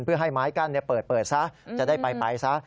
เพื่อให้ไม้กั้นเปิดซะจะได้ไปซะ